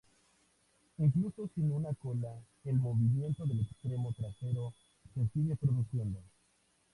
Incluso sin una cola, el movimiento del extremo trasero se sigue produciendo.